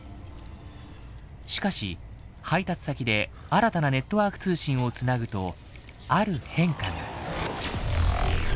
しかし配達先で新たなネットワーク通信を繋ぐとある変化が。